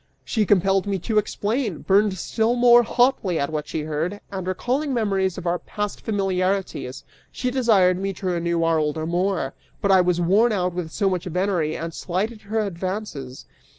She compelled me to explain, burned still more hotly at what she heard, and, recalling memories of our past familiarities, she desired me to renew our old amour, but I was worn out with so much venery and slighted her advances.